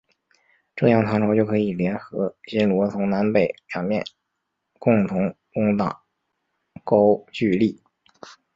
这样唐朝就可以联合新罗从南北两面共同攻打高句丽。